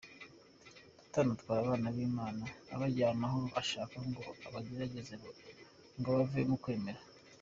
Satani atwara abana b’Imana abajyana aho ashaka ko abagerageza ngo bave mu kwemera.